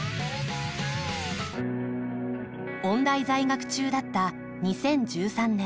音大在学中だった２０１３年。